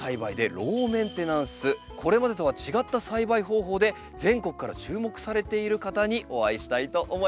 これまでとは違った栽培方法で全国から注目されている方にお会いしたいと思います。